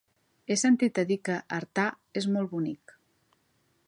He sentit a dir que Artà és molt bonic.